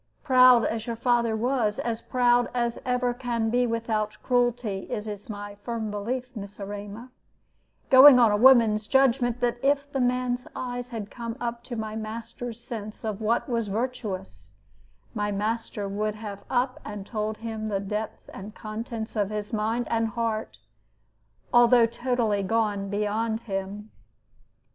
Proud as your father was, as proud as ever can be without cruelty, it is my firm belief, Miss Erema, going on a woman's judgment, that if the man's eyes had come up to my master's sense of what was virtuous, my master would have up and told him the depth and contents of his mind and heart, although totally gone beyond him.